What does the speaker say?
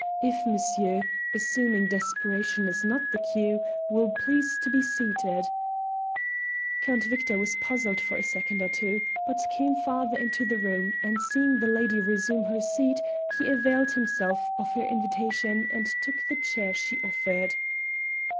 If monsieur assuming desperation is not the cue will please to be seated " Count Victor was puzzled for a second or two, but came farther into the room, and, seeing the lady resume her seat, he availed himself of her invitation and took the chair she offered.